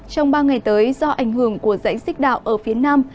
trong ba ngày tới do ảnh hưởng của dãnh xích đạo ở phía nam